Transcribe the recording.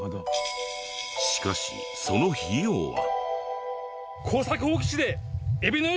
しかしその費用は。